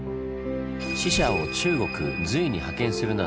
使者を中国・隋に派遣するなど